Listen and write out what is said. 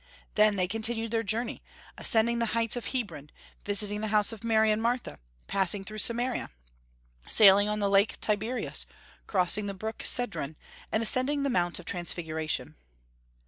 Then they continued their journey, ascending the heights of Hebron, visiting the house of Mary and Martha, passing through Samaria, sailing on the lake Tiberias, crossing the brook Cedron, and ascending the Mount of Transfiguration.